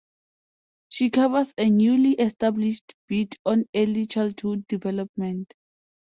She covers a newly established beat on Early Childhood Development.